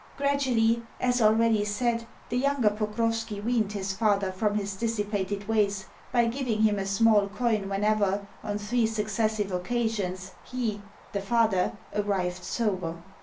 Gradually, as already said, the younger Pokrovski weaned his father from his dissipated ways by giving him a small coin whenever, on three successive occasions, he (the father) arrived sober.